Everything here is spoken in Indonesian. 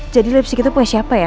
jadi lepsi kita punya siapa ya